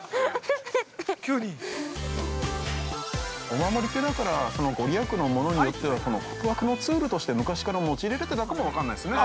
◆お守りって、だからそのご利益のものによっては、告白のツールとして昔から用いられてたかも分からないですね。